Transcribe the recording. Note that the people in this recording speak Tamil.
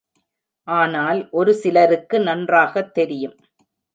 ஆனால் ஒரு சிலருக்கு நன்றாகத் தெரியும்.